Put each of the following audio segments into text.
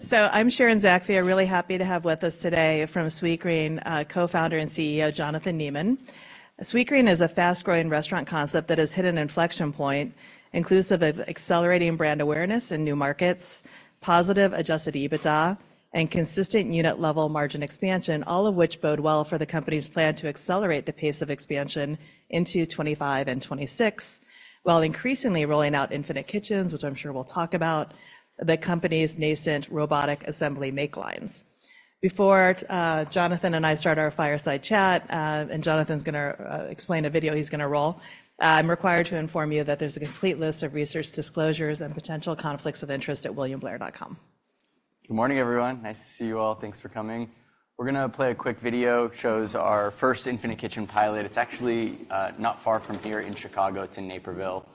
So I'm Sharon Zackfia. Really happy to have with us today from Sweetgreen, Co-founder and CEO, Jonathan Neman. Sweetgreen is a fast-growing restaurant concept that has hit an inflection point, inclusive of accelerating brand awareness in new markets, positive adjusted EBITDA, and consistent unit-level margin expansion, all of which bode well for the company's plan to accelerate the pace of expansion into 2025 and 2026, while increasingly rolling out Infinite Kitchens, which I'm sure we'll talk about, the company's nascent robotic assembly makelines. Before Jonathan and I start our fireside chat, and Jonathan's gonna explain a video he's gonna roll, I'm required to inform you that there's a complete list of research disclosures and potential conflicts of interest at williamblair.com. Good morning, everyone. Nice to see you all. Thanks for coming. We're gonna play a quick video, shows our first Infinite Kitchen pilot. It's actually not far from here in Chicago. It's in Naperville,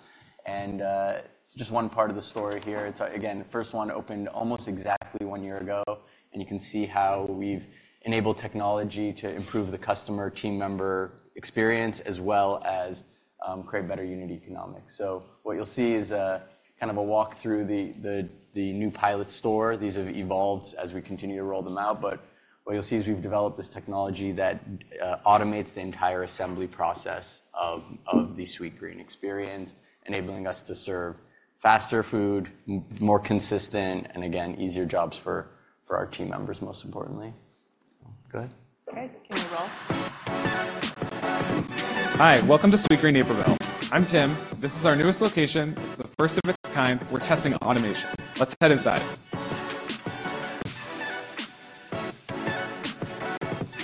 and it's just one part of the story here. It's, again, the first one opened almost exactly one year ago, and you can see how we've enabled technology to improve the customer team member experience, as well as create better unit economics. So what you'll see is a kind of a walk through the new pilot store. These have evolved as we continue to roll them out, but what you'll see is we've developed this technology that automates the entire assembly process of the Sweetgreen experience, enabling us to serve faster food, more consistent, and again, easier jobs for our team members, most importantly. Go ahead. Okay, can we roll? Hi, welcome to Sweetgreen Naperville. I'm Tim. This is our newest location. It's the first of its kind. We're testing automation. Let's head inside.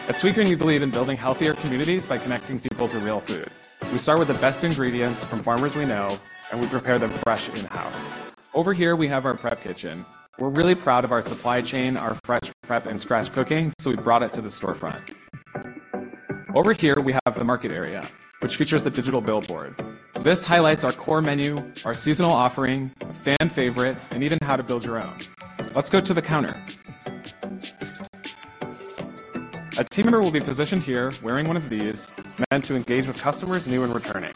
At Sweetgreen, we believe in building healthier communities by connecting people to real food. We start with the best ingredients from farmers we know, and we prepare them fresh in-house. Over here, we have our prep kitchen. We're really proud of our supply chain, our fresh prep, and scratch cooking, so we brought it to the storefront. Over here, we have the market area, which features the digital billboard. This highlights our core menu, our seasonal offering, fan favorites, and even how to build your own. Let's go to the counter. A team member will be positioned here wearing one of these, meant to engage with customers, new and returning.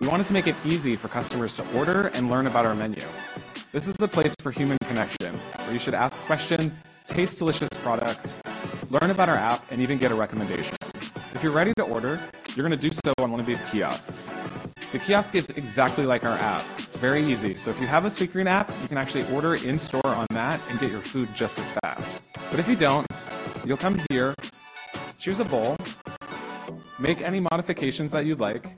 We wanted to make it easy for customers to order and learn about our menu. This is the place for human connection, where you should ask questions, taste delicious products, learn about our app, and even get a recommendation. If you're ready to order, you're gonna do so on one of these kiosks. The kiosk is exactly like our app. It's very easy. So if you have a Sweetgreen app, you can actually order in-store on that and get your food just as fast. But if you don't, you'll come here, choose a bowl, make any modifications that you'd like,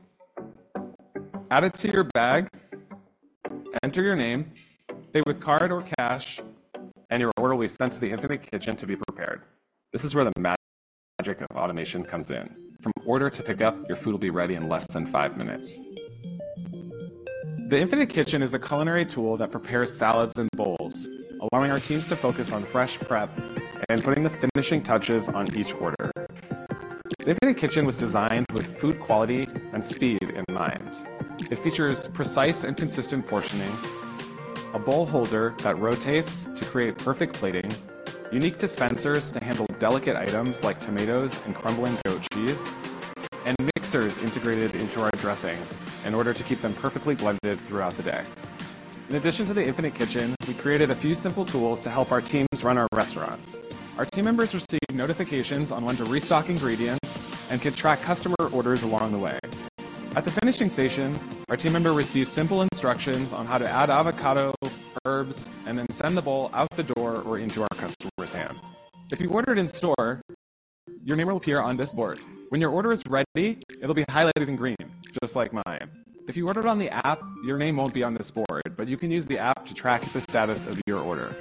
add it to your bag, enter your name, pay with card or cash, and your order will be sent to the Infinite Kitchen to be prepared. This is where the magic of automation comes in. From order to pick up, your food will be ready in less than five minutes. The Infinite Kitchen is a culinary tool that prepares salads and bowls, allowing our teams to focus on fresh prep and putting the finishing touches on each order. The Infinite Kitchen was designed with food quality and speed in mind. It features precise and consistent portioning, a bowl holder that rotates to create perfect plating, unique dispensers to handle delicate items like tomatoes and crumbling goat cheese, and mixers integrated into our dressings in order to keep them perfectly blended throughout the day. In addition to the Infinite Kitchen, we created a few simple tools to help our teams run our restaurants. Our team members receive notifications on when to restock ingredients and can track customer orders along the way. At the finishing station, our team member receives simple instructions on how to add avocado, herbs, and then send the bowl out the door or into our customer's hand. If you ordered in store, your name will appear on this board. When your order is ready, it'll be highlighted in green, just like mine. If you ordered on the app, your name won't be on this board, but you can use the app to track the status of your order.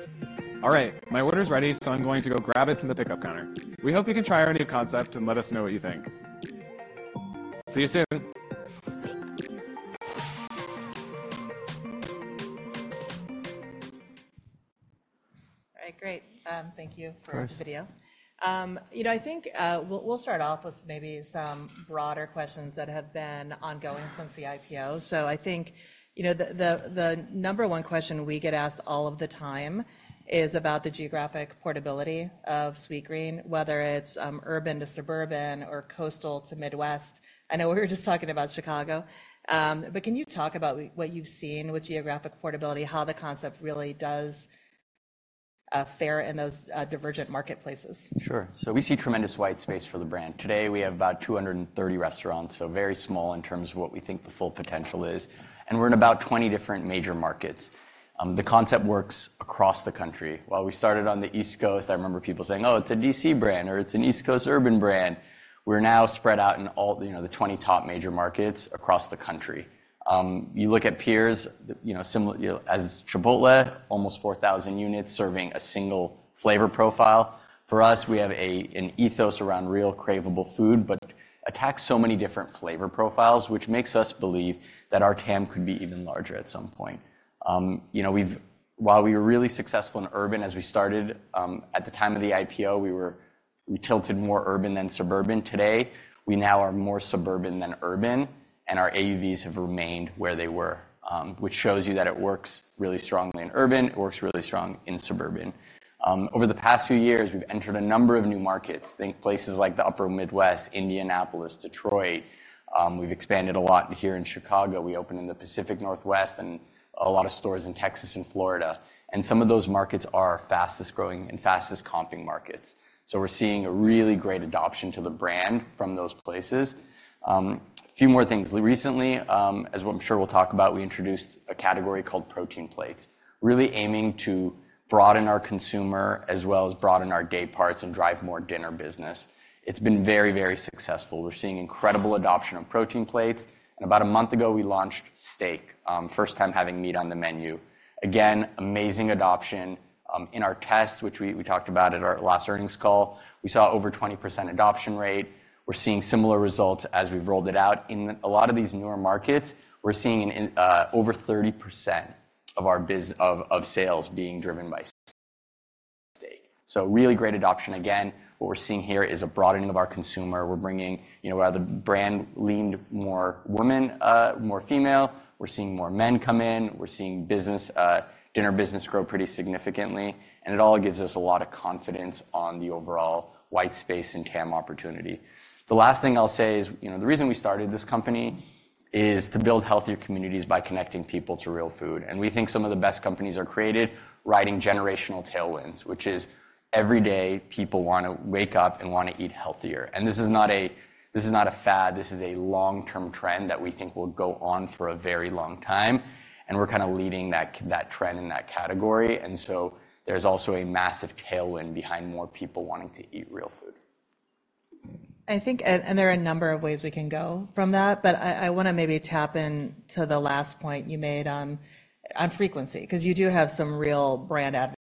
All right, my order's ready, so I'm going to go grab it from the pickup counter. We hope you can try our new concept and let us know what you think. See you soon! All right, great. Thank you for. Of course The video. You know, I think, we'll, we'll start off with maybe some broader questions that have been ongoing since the IPO. So I think, you know, the, the, the number one question we get asked all of the time is about the geographic portability of Sweetgreen, whether it's urban to suburban or coastal to Midwest. I know we were just talking about Chicago, but can you talk about what you've seen with geographic portability, how the concept really does fare in those divergent marketplaces? Sure. So we see tremendous white space for the brand. Today, we have about 230 restaurants, so very small in terms of what we think the full potential is, and we're in about 20 different major markets. The concept works across the country. While we started on the East Coast, I remember people saying: "Oh, it's a DC brand," or, "It's an East Coast urban brand." We're now spread out in all, you know, the 20 top major markets across the country. You look at peers, you know, similar, you know, as Chipotle, almost 4,000 units serving a single flavor profile. For us, we have a, an ethos around real craveable food, but attack so many different flavor profiles, which makes us believe that our TAM could be even larger at some point. You know, while we were really successful in urban as we started, at the time of the IPO, we were, we tilted more urban than suburban. Today, we now are more suburban than urban, and our AUVs have remained where they were, which shows you that it works really strongly in urban, it works really strong in suburban. Over the past few years, we've entered a number of new markets. Think places like the Upper Midwest, Indianapolis, Detroit. We've expanded a lot here in Chicago. We opened in the Pacific Northwest and a lot of stores in Texas and Florida, and some of those markets are our fastest growing and fastest comping markets. So we're seeing a really great adoption to the brand from those places. A few more things. Recently, as I'm sure we'll talk about, we introduced a category called Protein Plates, really aiming to broaden our consumer, as well as broaden our dayparts and drive more dinner business. It's been very, very successful. We're seeing incredible adoption of Protein Plates, and about a month ago, we launched steak. First time having meat on the menu. Again, amazing adoption. In our test, which we talked about at our last earnings call, we saw over 20% adoption rate. We're seeing similar results as we've rolled it out. In a lot of these newer markets, we're seeing an over 30% of our sales being driven by steak. So really great adoption. Again, what we're seeing here is a broadening of our consumer. We're bringing, you know, where the brand leaned more women, more female, we're seeing more men come in, we're seeing business, dinner business grow pretty significantly, and it all gives us a lot of confidence on the overall white space and TAM opportunity. The last thing I'll say is, you know, the reason we started this company is to build healthier communities by connecting people to real food, and we think some of the best companies are created riding generational tailwinds, which is every day people want to wake up and want to eat healthier. And this is not a fad, this is a long-term trend that we think will go on for a very long time, and we're kinda leading that trend in that category. And so there's also a massive tailwind behind more people wanting to eat real food. I think, and, and there are a number of ways we can go from that, but I, I wanna maybe tap in to the last point you made on, on frequency, 'cause you do have some real brand advocates that,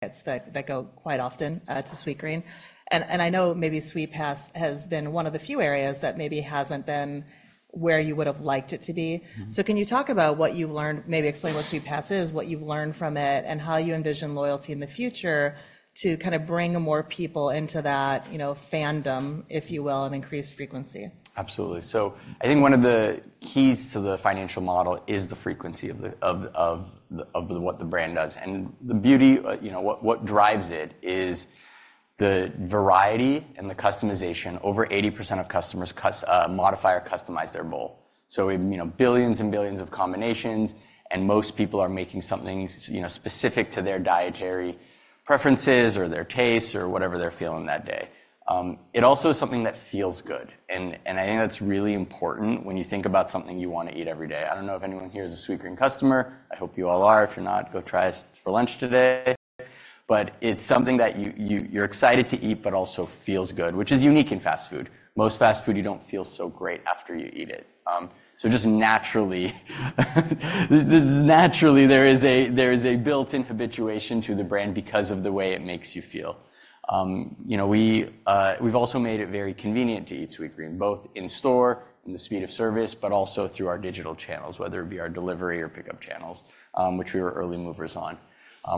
that go quite often to Sweetgreen. And, and I know maybe Sweetpass has been one of the few areas that maybe hasn't been where you would have liked it to be. Mm. So can you talk about what you've learned? Maybe explain what Sweetpass is, what you've learned from it, and how you envision loyalty in the future to kinda bring more people into that, you know, fandom, if you will, and increase frequency? Absolutely. So I think one of the keys to the financial model is the frequency of what the brand does. And the beauty, you know, what drives it is the variety and the customization. Over 80% of customers modify or customize their bowl. So we have, you know, billions and billions of combinations, and most people are making something, you know, specific to their dietary preferences or their tastes or whatever they're feeling that day. It also is something that feels good, and I think that's really important when you think about something you want to eat every day. I don't know if anyone here is a Sweetgreen customer. I hope you all are. If you're not, go try us for lunch today. But it's something that you're excited to eat, but also feels good, which is unique in fast food. Most fast food, you don't feel so great after you eat it. So just naturally, there is a built-in habituation to the brand because of the way it makes you feel. You know, we've also made it very convenient to eat Sweetgreen, both in store, in the speed of service, but also through our digital channels, whether it be our delivery or pickup channels, which we were early movers on.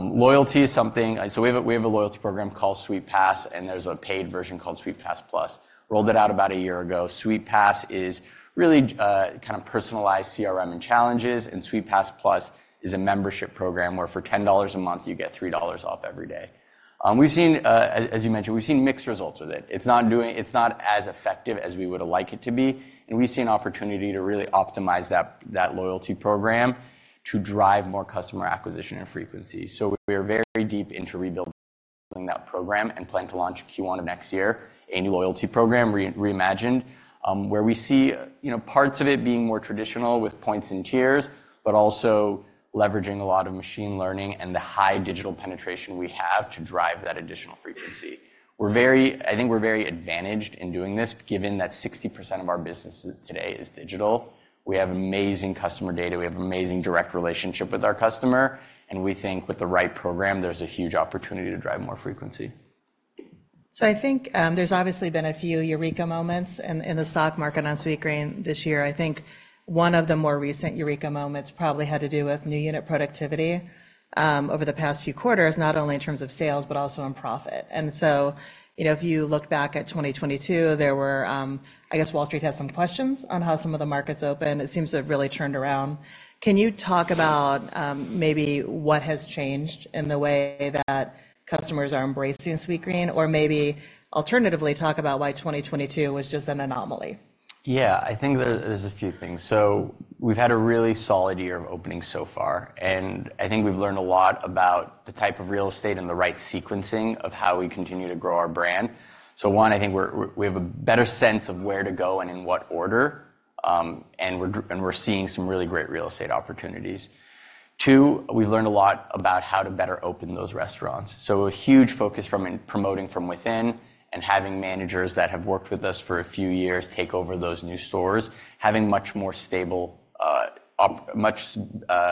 Loyalty is something. So we have a loyalty program called Sweetpass, and there's a paid version called Sweetpass+. Rolled it out about a year ago. Sweetpass is really kind of personalized CRM and challenges, and Sweetpass+ is a membership program, where for $10 a month, you get $3 off every day. We've seen, as you mentioned, we've seen mixed results with it. It's not doing, It's not as effective as we would have liked it to be, and we see an opportunity to really optimize that loyalty program to drive more customer acquisition and frequency. So we are very deep into rebuilding that program and plan to launch Q1 of next year, a new loyalty program reimagined, where we see, you know, parts of it being more traditional with points and tiers, but also leveraging a lot of machine learning and the high digital penetration we have to drive that additional frequency. I think we're very advantaged in doing this, given that 60% of our business today is digital. We have amazing customer data, we have amazing direct relationship with our customer, and we think with the right program, there's a huge opportunity to drive more frequency. So I think, there's obviously been a few eureka moments in, in the stock market on Sweetgreen this year. I think one of the more recent eureka moments probably had to do with new unit productivity over the past few quarters, not only in terms of sales, but also in profit. And so, you know, if you look back at 2022, there were I guess Wall Street has some questions on how some of the markets opened. It seems to have really turned around. Can you talk about, maybe what has changed in the way that customers are embracing Sweetgreen, or maybe alternatively, talk about why 2022 was just an anomaly? Yeah, I think there, there's a few things. So we've had a really solid year of opening so far, and I think we've learned a lot about the type of real estate and the right sequencing of how we continue to grow our brand. So, one, I think we're, we have a better sense of where to go and in what order, and we're seeing some really great real estate opportunities. Two, we've learned a lot about how to better open those restaurants, so a huge focus from promoting from within and having managers that have worked with us for a few years take over those new stores, having much more stable, much,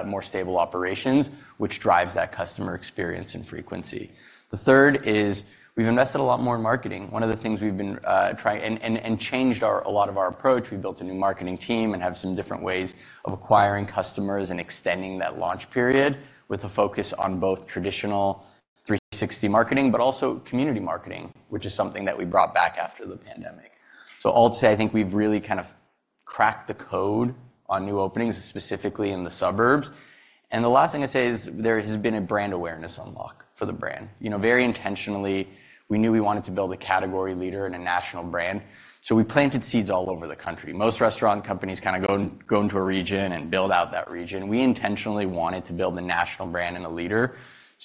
more stable operations, which drives that customer experience and frequency. The third is, we've invested a lot more in marketing. One of the things we've been trying. And changed a lot of our approach. We’ve built a new marketing team and have some different ways of acquiring customers and extending that launch period, with a focus on both traditional 360 marketing, but also community marketing, which is something that we brought back after the pandemic. So all to say, I think we’ve really kind of cracked the code on new openings, specifically in the suburbs. And the last thing I’d say is, there has been a brand awareness unlock for the brand. You know, very intentionally, we knew we wanted to build a category leader and a national brand, so we planted seeds all over the country. Most restaurant companies kind of go into a region and build out that region. We intentionally wanted to build a national brand and a leader,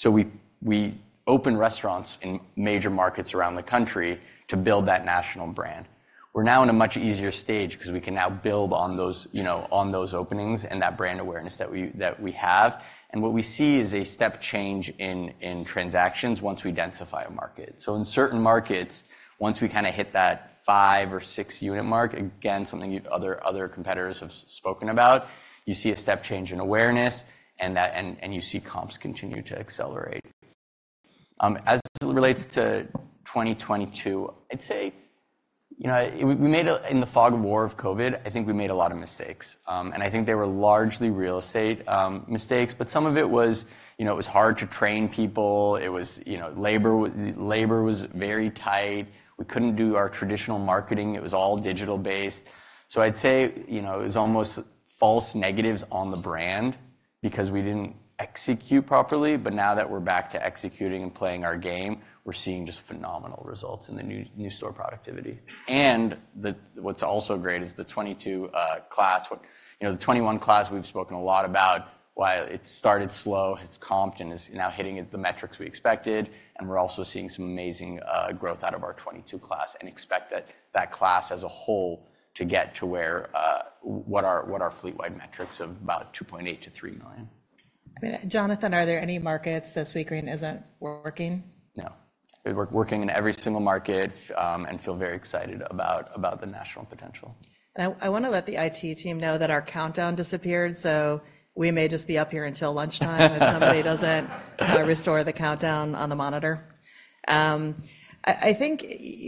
so we, we opened restaurants in major markets around the country to build that national brand. We're now in a much easier stage because we can now build on those, you know, on those openings and that brand awareness that we, that we have. And what we see is a step change in, in transactions once we densify a market. So in certain markets, once we kinda hit that five or six unit mark, again, something other, other competitors have spoken about, you see a step change in awareness, and that, and, and you see comps continue to accelerate. As it relates to 2022, I'd say, you know, we made a. In the fog of war of COVID, I think we made a lot of mistakes. And I think they were largely real estate mistakes, but some of it was, you know, it was hard to train people. It was, you know, labor was very tight. We couldn't do our traditional marketing. It was all digital-based. So I'd say, you know, it was almost false negatives on the brand because we didn't execute properly, but now that we're back to executing and playing our game, we're seeing just phenomenal results in the new store productivity. And what's also great is the 2022 class, you know, the 2021 class we've spoken a lot about. Why it started slow, it's comped and is now hitting at the metrics we expected, and we're also seeing some amazing growth out of our 2022 class and expect that class as a whole to get to where what our fleet-wide metrics of about $2.8 million-$3 million. I mean, Jonathan, are there any markets that Sweetgreen isn't working? No. We're working in every single market, and feel very excited about the national potential. And I wanna let the IT team know that our countdown disappeared, so we may just be up here until lunchtime. If somebody doesn't restore the countdown on the monitor. I think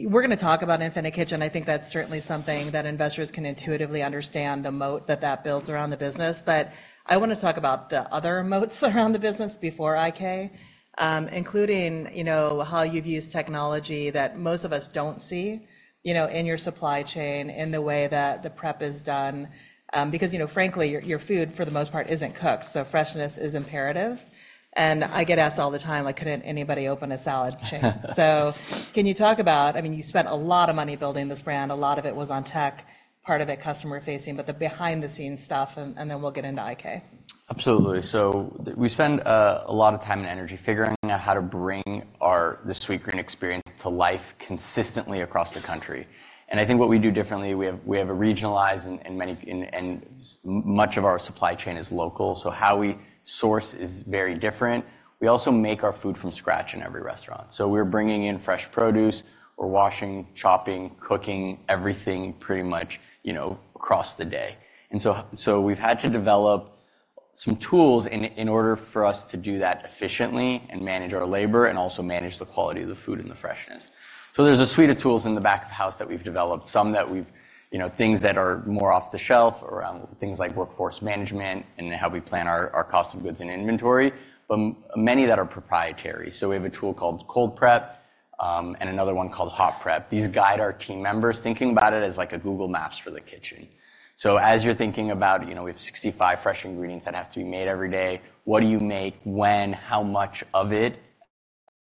we're gonna talk about Infinite Kitchen. I think that's certainly something that investors can intuitively understand the moat that that builds around the business. But I wanna talk about the other moats around the business before IK. Including, you know, how you've used technology that most of us don't see, you know, in your supply chain, in the way that the prep is done. Because, you know, frankly, your food, for the most part, isn't cooked, so freshness is imperative. And I get asked all the time, like, couldn't anybody open a salad chain? So can you talk about, I mean, you spent a lot of money building this brand. A lot of it was on tech, part of it customer-facing, but the behind-the-scenes stuff, and then we'll get into IK. Absolutely. So we spend a lot of time and energy figuring out how to bring our, the Sweetgreen experience to life consistently across the country. And I think what we do differently, we have a regionalized and much of our supply chain is local, so how we source is very different. We also make our food from scratch in every restaurant. So we're bringing in fresh produce. We're washing, chopping, cooking everything pretty much, you know, across the day. And so we've had to develop some tools in order for us to do that efficiently and manage our labor and also manage the quality of the food and the freshness. So there's a suite of tools in the back of the house that we've developed, some that we've, you know, things that are more off-the-shelf around things like workforce management and how we plan our, our cost of goods and inventory, but many that are proprietary. So we have a tool called Cold Prep, and another one called Hot Prep. These guide our team members, thinking about it as like a Google Maps for the kitchen. So as you're thinking about, you know, we have 65 fresh ingredients that have to be made every day. What do you make? When? How much of it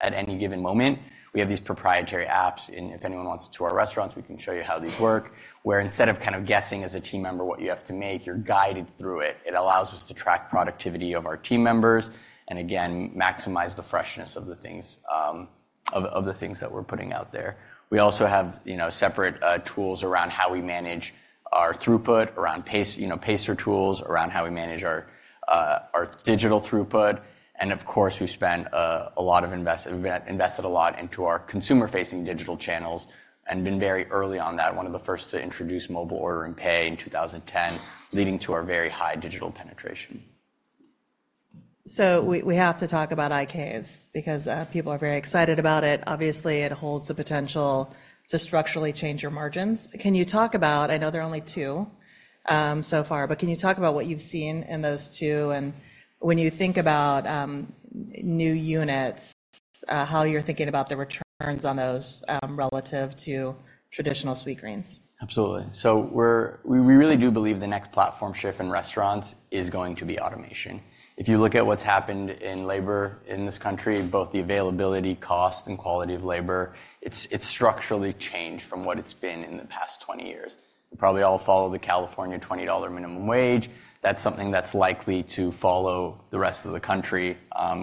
at any given moment? We have these proprietary apps, and if anyone wants to tour our restaurants, we can show you how these work, where instead of kind of guessing as a team member what you have to make, you're guided through it. It allows us to track productivity of our team members and again, maximize the freshness of the things that we're putting out there. We also have, you know, separate tools around how we manage our throughput, around pace, you know, pacer tools, around how we manage our digital throughput. And of course, we have invested a lot into our consumer-facing digital channels and been very early on that. One of the first to introduce mobile order and pay in 2010, leading to our very high digital penetration. So we have to talk about IK's because people are very excited about it. Obviously, it holds the potential to structurally change your margins. Can you talk about, I know there are only two so far, but can you talk about what you've seen in those two? And when you think about new units, how you're thinking about the returns on those relative to traditional Sweetgreen? Absolutely. So we really do believe the next platform shift in restaurants is going to be automation. If you look at what's happened in labor in this country, both the availability, cost, and quality of labor, it's structurally changed from what it's been in the past 20 years. Probably all follow the California $20 minimum wage. That's something that's likely to follow the rest of the country,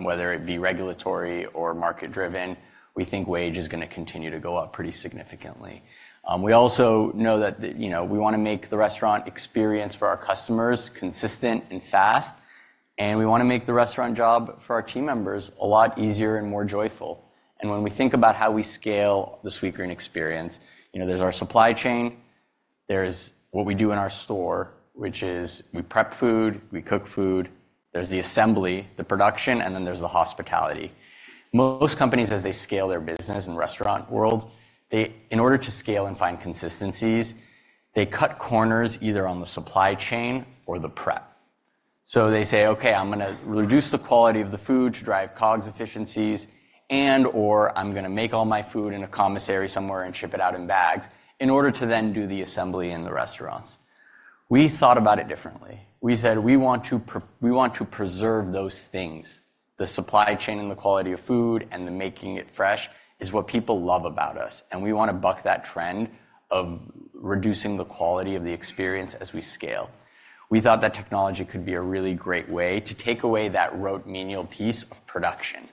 whether it be regulatory or market-driven. We think wage is gonna continue to go up pretty significantly. We also know that the, you know, we wanna make the restaurant experience for our customers consistent and fast, and we wanna make the restaurant job for our team members a lot easier and more joyful. When we think about how we scale the Sweetgreen experience, you know, there's our supply chain, there's what we do in our store, which is, we prep food, we cook food, there's the assembly, the production, and then there's the hospitality. Most companies, as they scale their business in the restaurant world, they in order to scale and find consistencies, they cut corners either on the supply chain or the prep. So they say, "Okay, I'm gonna reduce the quality of the food to drive COGS efficiencies, and/or I'm gonna make all my food in a commissary somewhere and ship it out in bags, in order to then do the assembly in the restaurants." We thought about it differently. We said, "We want to preserve those things." The supply chain, and the quality of food, and the making it fresh, is what people love about us, and we want to buck that trend of reducing the quality of the experience as we scale. We thought that technology could be a really great way to take away that rote, menial piece of production.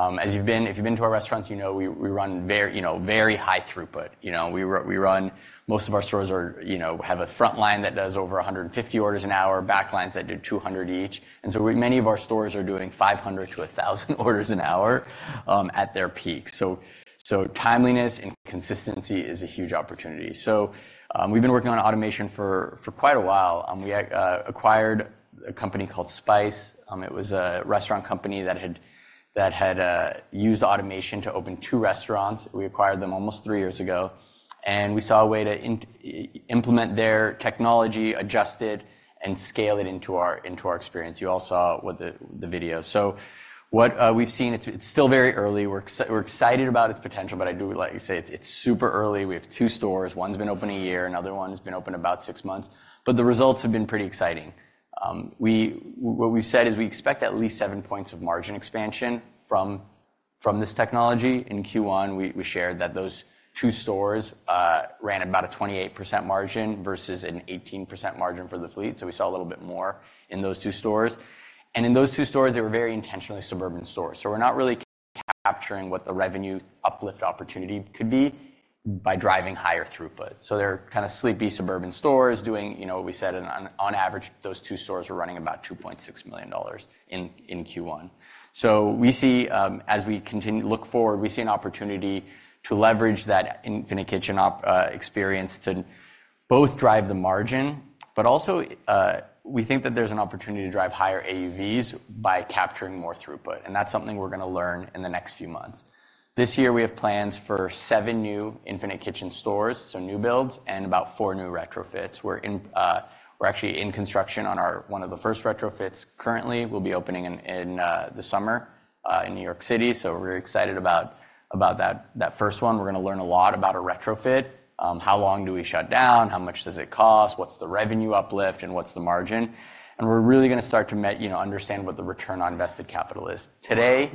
If you've been to our restaurants, you know, we run very, you know, very high throughput. You know, we run. Most of our stores are, you know, have a front line that does over 150 orders an hour, back lines that do 200 each. And so many of our stores are doing 500-1,000 orders an hour, at their peak. So timeliness and consistency is a huge opportunity. So, we've been working on automation for quite a while, we acquired a company called Spyce. It was a restaurant company that had used automation to open two restaurants. We acquired them almost three years ago, and we saw a way to implement their technology, adjust it, and scale it into our experience. You all saw with the video. So what we've seen, it's still very early. We're excited about its potential, but I do like you say, it's super early. We have two stores. One's been open a year, another one has been open about six months, but the results have been pretty exciting. What we've said is we expect at least seven points of margin expansion from this technology. In Q1, we shared that those two stores ran about a 28% margin versus an 18% margin for the fleet, so we saw a little bit more in those two stores. In those two stores, they were very intentionally suburban stores, so we're not really capturing what the revenue uplift opportunity could be by driving higher throughput. They're kind of sleepy, suburban stores doing, you know, we said on average, those two stores were running about $2.6 million in Q1. We see, as we look forward, we see an opportunity to leverage that Infinite Kitchen experience to both drive the margin, but also, we think that there's an opportunity to drive higher AUVs by capturing more throughput, and that's something we're gonna learn in the next few months. This year we have plans for seven new Infinite Kitchen stores, so new builds, and about four new retrofits. We're actually in construction on one of the first retrofits currently. We'll be opening in the summer in New York City, so we're excited about that first one. We're gonna learn a lot about a retrofit. How long do we shut down? How much does it cost? What's the revenue uplift, and what's the margin? And we're really gonna start to, you know, understand what the return on invested capital is. Today,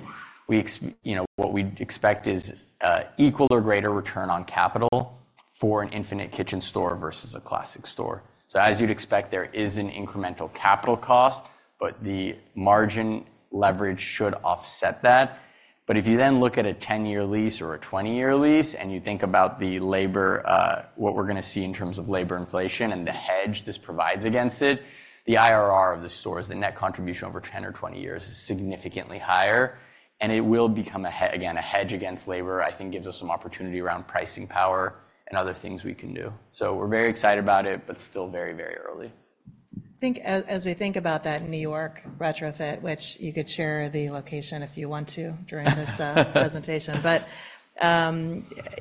you know, what we expect is an equal or greater return on capital for an Infinite Kitchen store versus a classic store. So, as you'd expect, there is an incremental capital cost, but the margin leverage should offset that. But if you then look at a 10-year lease or a 20-year lease, and you think about the labor, what we're gonna see in terms of labor inflation and the hedge this provides against it, the IRR of the stores, the net contribution over 10 or 20 years is significantly higher, and it will become again, a hedge against labor. I think gives us some opportunity around pricing power and other things we can do. So we're very excited about it, but still very, very early. I think as we think about that New York retrofit, which you could share the location if you want to during this presentation. But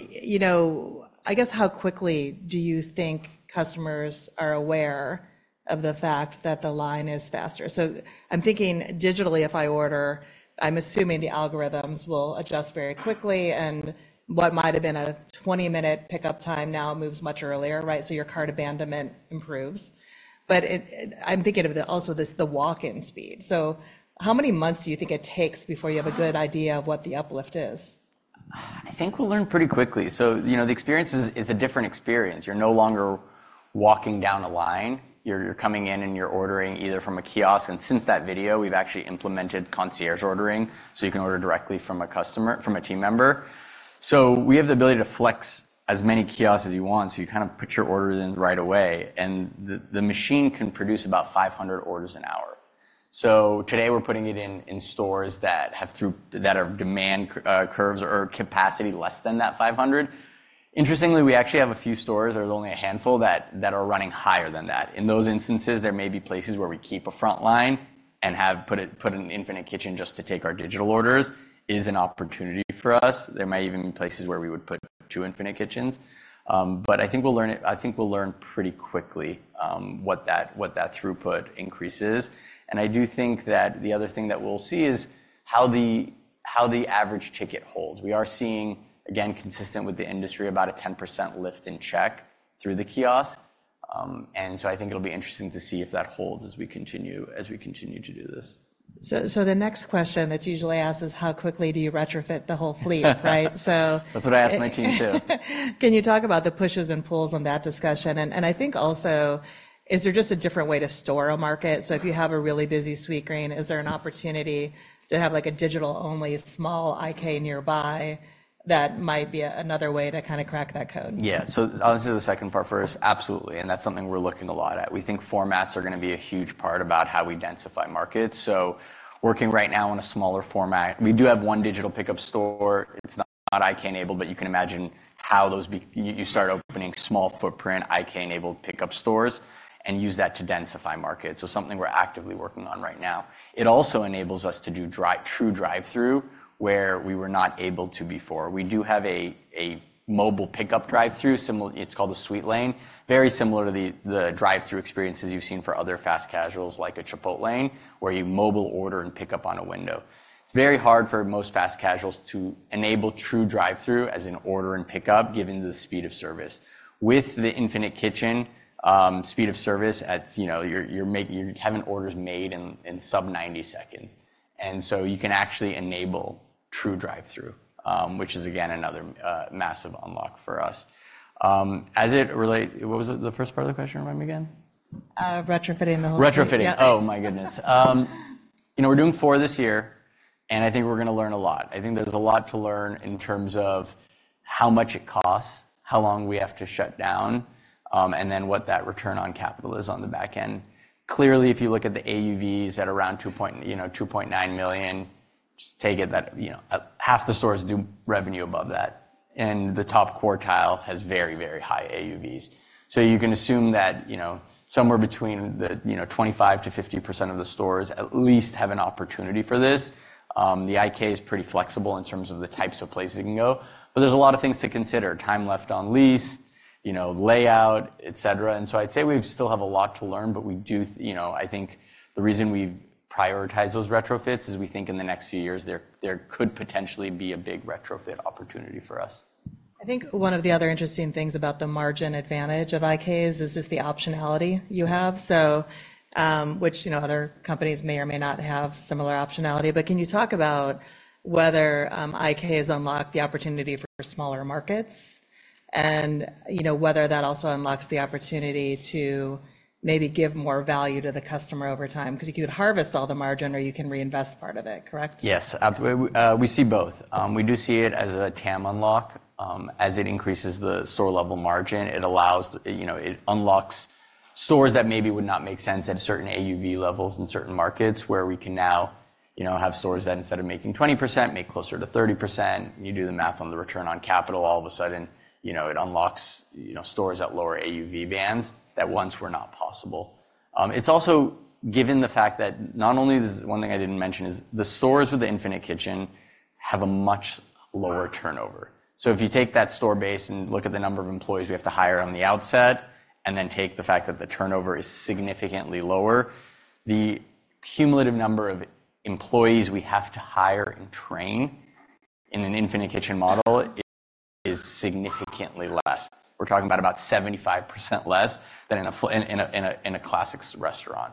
you know, I guess, how quickly do you think customers are aware of the fact that the line is faster? So I'm thinking digitally, if I order, I'm assuming the algorithms will adjust very quickly, and what might have been a 20-minute pickup time now moves much earlier, right? So your cart abandonment improves. But it, I'm thinking of also the walk-in speed. So how many months do you think it takes before you have a good idea of what the uplift is? I think we'll learn pretty quickly. So, you know, the experience is a different experience. You're no longer walking down a line. You're coming in, and you're ordering either from a kiosk, and since that video, we've actually implemented concierge ordering, so you can order directly from a team member. So we have the ability to flex as many kiosks as you want, so you kind of put your orders in right away, and the machine can produce about 500 orders an hour. So today we're putting it in stores that have throughput that are demand curves or capacity less than that 500. Interestingly, we actually have a few stores, there's only a handful, that are running higher than that. In those instances, there may be places where we keep a front line and have put an Infinite Kitchen just to take our digital orders, is an opportunity for us. There may even be places where we would put two Infinite Kitchens. But I think we'll learn pretty quickly what that throughput increase is. And I do think that the other thing that we'll see is how the average ticket holds. We are seeing, again, consistent with the industry, about a 10% lift in check through the kiosk. And so I think it'll be interesting to see if that holds as we continue to do this. So, the next question that's usually asked is: How quickly do you retrofit the whole fleet, right? That's what I asked my team, too. Can you talk about the pushes and pulls on that discussion? And I think also, is there just a different way to storm a market? So if you have a really busy Sweetgreen, is there an opportunity to have, like, a digital-only small IK nearby that might be another way to kind of crack that code? Yeah. So I'll answer the second part first. Absolutely, and that's something we're looking a lot at. We think formats are gonna be a huge part about how we densify markets, so working right now on a smaller format. We do have one digital pickup store. It's not IK-enabled, but you can imagine how you start opening small footprint, IK-enabled pickup stores and use that to densify markets. So something we're actively working on right now. It also enables us to do drive-thru drive-through, where we were not able to before. We do have a mobile pickup drive-through, similar, it's called the Sweetlane. Very similar to the drive-through experiences you've seen for other fast casuals, like a Chipotle lane, where you mobile order and pick up on a window. It's very hard for most fast casuals to enable true drive-through as an order and pickup, given the speed of service. With the Infinite Kitchen, speed of service, you know, you're making orders in sub 90 seconds, and so you can actually enable true drive-through, which is again another massive unlock for us. As it relate, what was the first part of the question, remind me again? Retrofitting the whole [store]. Retrofitting! Yep. Oh, my goodness. You know, we're doing four this year, and I think we're gonna learn a lot. I think there's a lot to learn in terms of how much it costs, how long we have to shut down, and then what that return on capital is on the back end. Clearly, if you look at the AUVs at around $2.9 million, just take it that, you know, 1/2 the stores do revenue above that, and the top quartile has very, very high AUVs. So you can assume that, you know, somewhere between the, you know, 25%-50% of the stores at least have an opportunity for this. The IK is pretty flexible in terms of the types of places it can go, but there's a lot of things to consider. Time left on lease, you know, layout, et cetera. And so I'd say we still have a lot to learn, but we do, you know, I think the reason we've prioritized those retrofits is we think in the next few years, there could potentially be a big retrofit opportunity for us. I think one of the other interesting things about the margin advantage of IKs is just the optionality you have. So, which, you know, other companies may or may not have similar optionality. But can you talk about whether, IKs unlock the opportunity for smaller markets, and, you know, whether that also unlocks the opportunity to maybe give more value to the customer over time? Because you could harvest all the margin, or you can reinvest part of it, correct? Yes, we see both. Mm-hmm. We do see it as a TAM unlock. As it increases the store level margin, it allows, you know, it unlocks stores that maybe would not make sense at certain AUV levels in certain markets, where we can now, you know, have stores that, instead of making 20%, make closer to 30%. You do the math on the return on capital, all of a sudden, you know, it unlocks, you know, stores at lower AUV bands that once were not possible. It's also given the fact that not only this. One thing I didn't mention is, the stores with the Infinite Kitchen have a much lower turnover. So if you take that store base and look at the number of employees we have to hire on the outset, and then take the fact that the turnover is significantly lower, the cumulative number of employees we have to hire and train in an Infinite Kitchen model is significantly less. We're talking about about 75% less than in a classic Sweetgreen restaurant.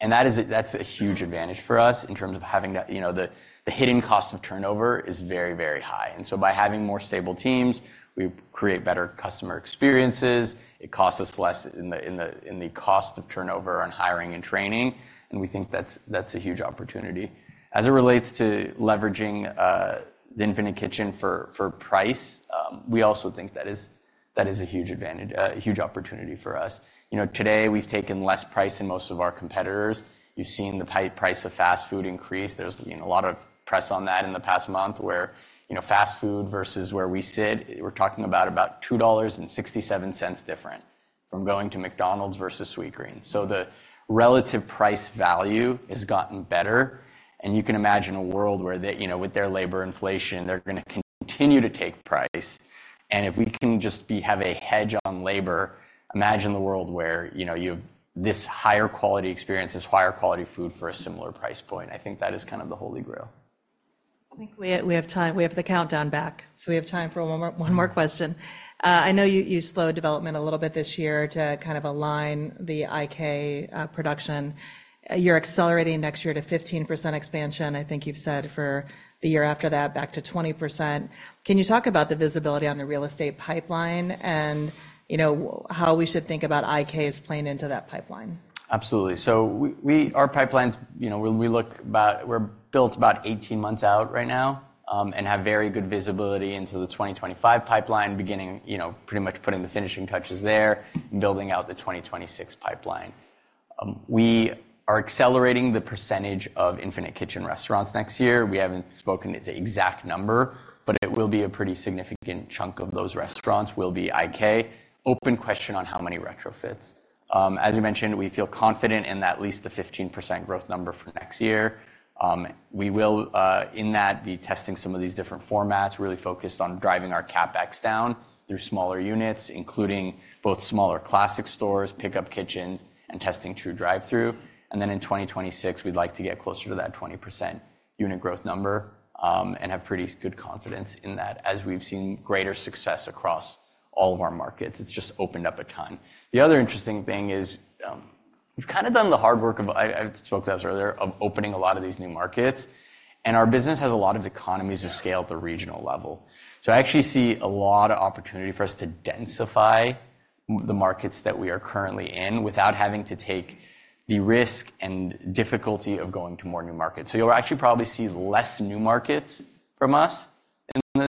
And that is a huge advantage for us in terms of having that, you know, the hidden cost of turnover is very, very high, and so by having more stable teams, we create better customer experiences. It costs us less in the cost of turnover on hiring and training, and we think that's a huge opportunity. As it relates to leveraging the Infinite Kitchen for price, we also think that is, that is a huge advantage, a huge opportunity for us. You know, today, we've taken less price than most of our competitors. You've seen the price of fast food increase. There's, you know, a lot of press on that in the past month, where, you know, fast food versus where we sit, we're talking about about $2.67 different from going to McDonald's versus Sweetgreen. So the relative price value has gotten better, and you can imagine a world where they, you know, with their labor inflation, they're gonna continue to take price. And if we can just have a hedge on labor, imagine the world where, you know, you have this higher quality experience, this higher quality food for a similar price point. I think that is kind of the holy grail. I think we have time. We have the countdown back, so we have time for one more question. I know you slowed development a little bit this year to kind of align the IK production. You're accelerating next year to 15% expansion. I think you've said for the year after that, back to 20%. Can you talk about the visibility on the real estate pipeline and, you know, how we should think about IKs playing into that pipeline? Absolutely. So our pipelines, you know, when we look, we're built about 18 months out right now, and have very good visibility into the 2025 pipeline, beginning, you know, pretty much putting the finishing touches there and building out the 2026 pipeline. We are accelerating the percentage of Infinite Kitchen restaurants next year. We haven't spoken the exact number, but it will be a pretty significant chunk of those restaurants will be IK. Open question on how many retrofits. As you mentioned, we feel confident in at least the 15% growth number for next year. We will, in that, be testing some of these different formats, really focused on driving our CapEx down through smaller units, including both smaller classic stores, pickup kitchens, and testing true drive-through. And then in 2026, we'd like to get closer to that 20% unit growth number, and have pretty good confidence in that as we've seen greater success across all of our markets, it's just opened up a ton. The other interesting thing is, we've kind of done the hard work of, I spoke to this earlier, of opening a lot of these new markets, and our business has a lot of economies of scale at the regional level. So I actually see a lot of opportunity for us to densify the markets that we are currently in without having to take the risk and difficulty of going to more new markets. So you'll actually probably see less new markets from us in the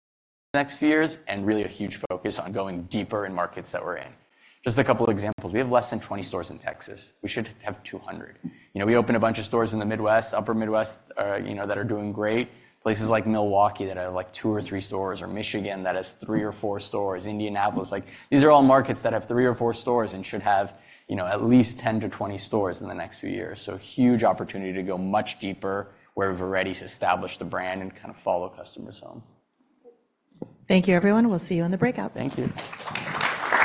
next few years, and really a huge focus on going deeper in markets that we're in. Just a couple of examples: We have less than 20 stores in Texas. We should have 200. You know, we opened a bunch of stores in the Midwest, Upper Midwest, you know, that are doing great. Places like Milwaukee, that have, like, two or three stores, or Michigan, that has three or four stores, Indianapolis. Like, these are all markets that have three or four stores and should have, you know, at least 10-20 stores in the next few years. So, huge opportunity to go much deeper where we've already established the brand and kind of follow customers home. Thank you, everyone. We'll see you on the breakout. Thank you.